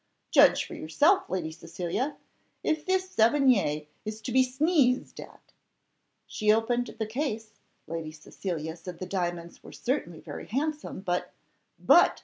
Judge for yourself, Lady Cecilia, if this Sevigné is to be sneezed at?" She opened the case; Lady Cecilia said the diamonds were certainly very handsome, but "But!"